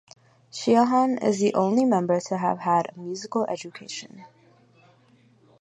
Sheahan is the only member to have had a musical education.